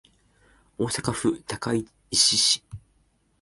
大阪府高石市